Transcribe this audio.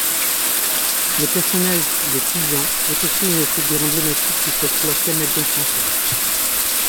Le personnage de Ti-Jean est aussi une figure emblématique du folklore canadien-français.